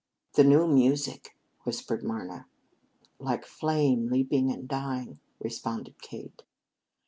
"The new music," whispered Marna. "Like flame leaping and dying," responded Kate.